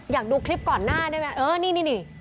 อยากดูคลิปก่อนหน้าได้ไหมเออนี่นี่